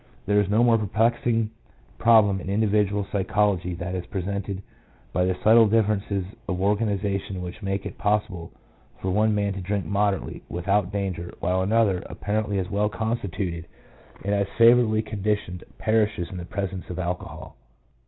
" There is no more perplexing problem in individual psychology than is presented by the subtle differences of organisation which make it possible for one man to drink moderately, without danger, while another, apparently as well constituted and as favourably conditioned, perishes in the presence of alcohol."